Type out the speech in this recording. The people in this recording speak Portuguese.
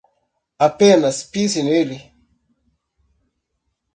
Apenas pise nele.